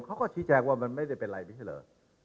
เขาก็ชี้แจงว่ามันไม่ได้เป็นอะไรไม่ใช่เหรอ